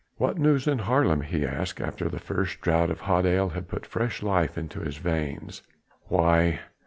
"What news in Haarlem?" he asked after the first draught of hot ale had put fresh life into his veins. "Why?